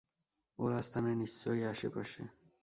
ওর আস্তানা নিশ্চয়ই আশেপাশে।